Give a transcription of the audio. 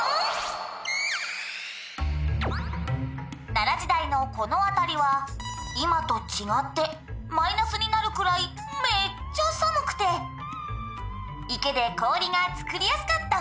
「奈良時代のこの辺りは今と違ってマイナスになるくらいめっちゃ寒くて池で氷が作りやすかったフォン」